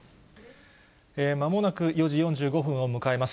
まもなく４時４５分を迎えます。